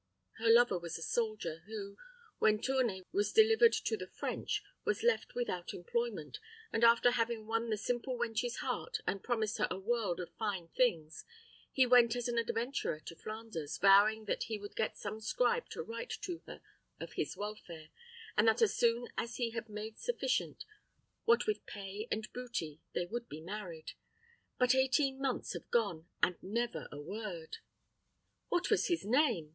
Her lover was a soldier, who, when Tournay was delivered to the French, was left without employment; and after having won the simple wench's heart, and promised her a world of fine things, he went as an adventurer to Flanders, vowing that he would get some scribe to write to her of his welfare, and that as soon as he had made sufficient, what with pay and booty they would be married; but eighteen months have gone, and never a word." "What was his name?"